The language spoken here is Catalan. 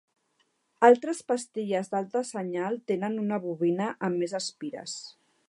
Altres pastilles d'alta senyal tenen una bobina amb més espires.